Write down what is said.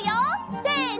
せの！